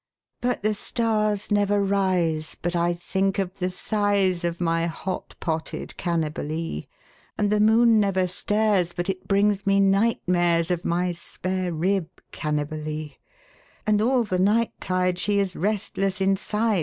But the stars never rise but I think of the size Of my hot potted Cannibalee, And the moon never stares but it brings me night mares Of my spare rib Cannibalee; And all the night tide she is restless inside.